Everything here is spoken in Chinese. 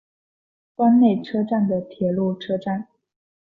关内车站的铁路车站。